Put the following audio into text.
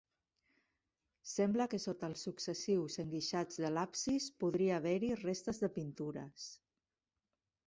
Sembla que sota els successius enguixats de l'absis podria haver-hi restes de pintures.